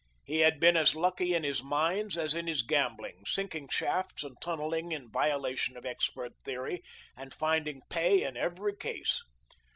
He had been as lucky in his mines as in his gambling, sinking shafts and tunnelling in violation of expert theory and finding "pay" in every case.